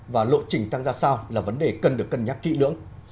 và lộ trình tăng ra sao là vấn đề cần được cân nhắc kỹ lưỡng